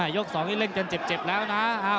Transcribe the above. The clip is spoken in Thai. ยก๒เร่งจนเจ็บแล้วนะ